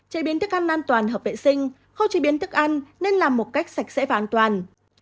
chế biến thức ăn an toàn hợp vệ sinh khâu chế biến thức ăn nên làm một cách sạch sẽ và an toàn